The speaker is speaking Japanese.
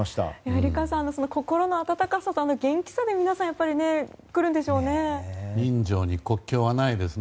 理佳さんの心の温かさと元気さで皆さん、来るんでしょうね。